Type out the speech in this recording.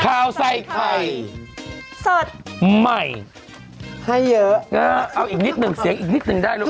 ข่าวใส่ไข่สดใหม่ให้เยอะเอาอีกนิดหนึ่งเสียงอีกนิดนึงได้ลูก